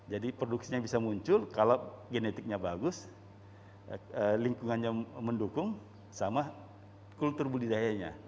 jadi produksinya bisa muncul kalau genetiknya bagus lingkungannya mendukung sama kultur budidayanya